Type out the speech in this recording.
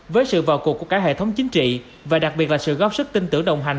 với sự vào cuộc của cả hệ thống chính trị và đặc biệt là sự góp sức tin tưởng đồng hành